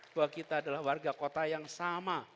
bahwa kita adalah warga kota yang sama